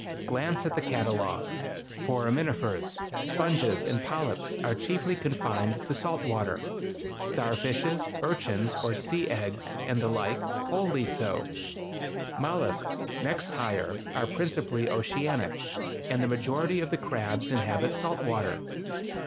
Glance at the catalogue: Foraminifers, sponges, and polyps are chiefly confined to salt water; starfishes, urchins (or sea eggs), and the like, wholly so: mollusks (next higher) are principally oceanic, and the majority of the crabs inhabit salt water.